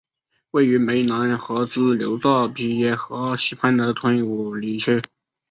位于湄南河支流昭披耶河西畔的吞武里区。